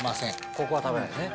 ここは食べないね。